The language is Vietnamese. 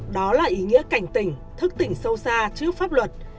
đó là ý nghĩa cảnh tỉnh thức tỉnh sâu xa trước pháp luật